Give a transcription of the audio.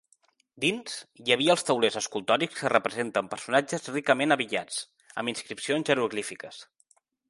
Dins hi havia els taulers escultòrics que representen personatges ricament abillats, amb inscripcions jeroglífiques.